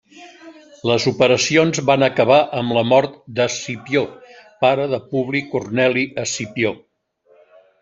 Les operacions van acabar amb la mort d'Escipió, pare de Publi Corneli Escipió.